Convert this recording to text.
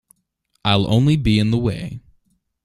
I'll only be in the way.